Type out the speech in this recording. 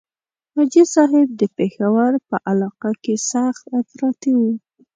حاجي صاحب د پېښور په علاقه کې سخت افراطي وو.